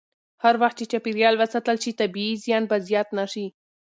هر وخت چې چاپېریال وساتل شي، طبیعي زیان به زیات نه شي.